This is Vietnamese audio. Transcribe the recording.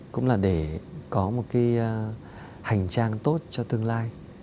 cũng là để có một cái hành trang tốt cho tương lai